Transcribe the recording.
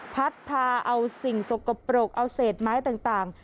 พัดพาเอาสิ่งสกปรกเอาเศษไม้ต่าง